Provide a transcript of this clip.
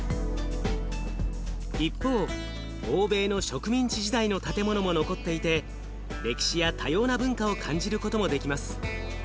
一方欧米の植民地時代の建物も残っていて歴史や多様な文化を感じることもできます。